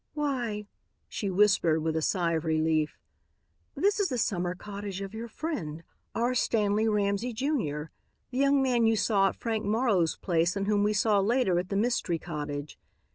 "Why," she whispered, with a sigh of relief, "this is the summer cottage of your friend, R. Stanley Ramsey, Jr., the young man you saw at Frank Morrow's place and whom we saw later at the mystery cottage.